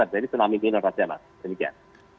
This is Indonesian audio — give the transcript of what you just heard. jadi tsunami ini merasakan demikian